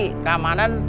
keamanan keamanan keamanan